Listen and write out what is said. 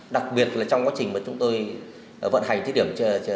đặc biệt trong quá trình chúng tôi vận hành thí điểm